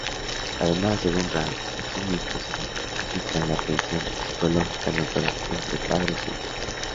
Además, según Rank, estos mitos ejemplifican la tensión psicológica natural entre padres e hijos.